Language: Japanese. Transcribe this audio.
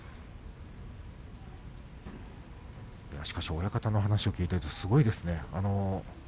親方の話を聞いているとすごいですね。